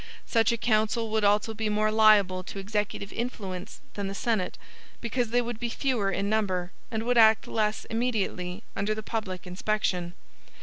Such a council would also be more liable to executive influence than the Senate, because they would be fewer in number, and would act less immediately under the public inspection.